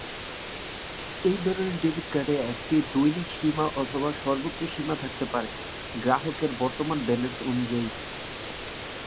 এই ধরনের ডেবিট কার্ডে একটি দৈনিক সীমা অথবা সর্বোচ্চ সীমা থাকতে পারে গ্রাহকের বর্তমান ব্যালেন্স অনুযায়ী।